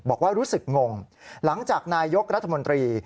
บอกว่ารู้สึกงงหลังจากนายยกรัฐมนตรี